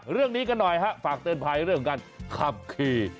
เรื่องนี้กันหน่อยฮะฝากเตือนภัยเรื่องการขับขี่